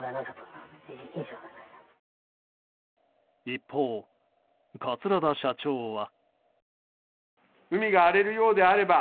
一方、桂田社長は。